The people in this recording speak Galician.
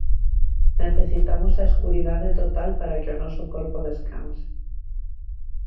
Necesitamos a escuridade total para que o noso corpo descanse.